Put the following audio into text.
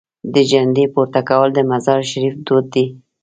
د جنډې پورته کول د مزار شریف دود دی.